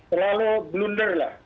terlalu blunder lah